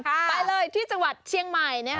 ไปเลยที่จังหวัดเชียงใหม่